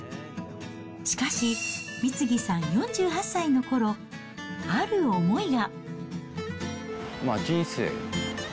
しかし、美次さん４８歳のころ、ある思いが。